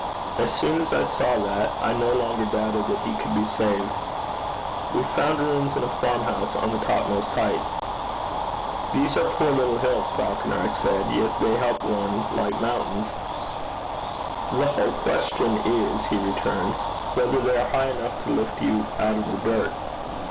As soon as I saw that, I no longer doubted that he could be saved. We found rooms in a farm house on the topmost height. 'These are poor little hills, Falconer,' I said. 'Yet they help one like mountains.' 'The whole question is,' he returned, 'whether they are high enough to lift you out of the dirt.